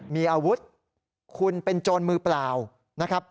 มีอาวุธคุณเป็นโจรมือเปล่านะครับ